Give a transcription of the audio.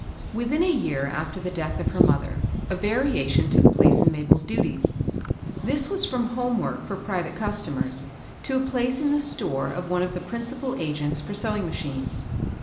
pITIIIN a year after the death of her mother, a variation took place in Mabel's duties. This was from home work for private customers to a place in the store of one of the principal agents for sewing machines.